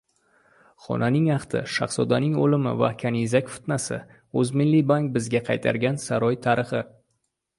Xonning ahdi, shahzodaning o‘limi va kanizak fitnasi — O‘zmilliybank bizga qaytargan saroy tarixi